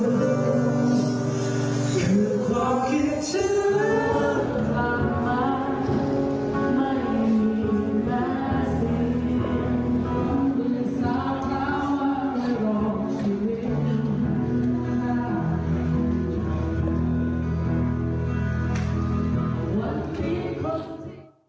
ไม่มีลูกแม่เสียงหรือสาวเกาะใครรอบชีวิต